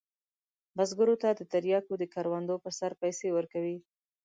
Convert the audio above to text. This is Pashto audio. بزګرو ته د تریاکو د کروندو پر سر پیسې ورکوي.